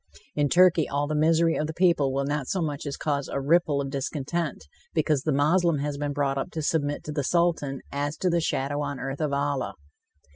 In Turkey, all the misery of the people will not so much as cause a ripple of discontent, because the Moslem has been brought up to submit to the Sultan as to the shadow on earth of Allah.